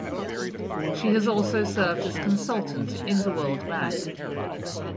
She has also served as consultant in the World Bank.